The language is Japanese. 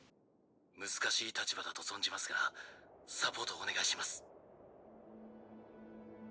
難しい立場だと存じますがサポートをお願いします。